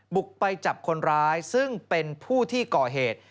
บุกไปจับคนร้ายซึ่งเป็นผู้ที่ก่อเหตุ